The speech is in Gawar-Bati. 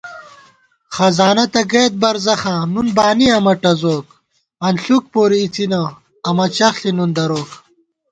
خزانہ تہ گئیت برزَخاں نُن بانی امہ ٹزوک * انݪُک پوری اِڅِنہ امہ چَخݪی نُن دروک